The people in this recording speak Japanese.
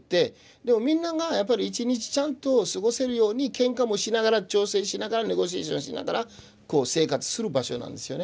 でもみんながやっぱり１日ちゃんと過ごせるようにケンカもしながら調整しながらネゴシエーションしながら生活する場所なんですよね。